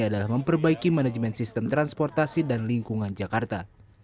adalah memperbaiki manajemen sistem transportasi dan lingkungan jakarta